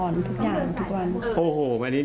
สวดมนต์ไว้พระขอภอน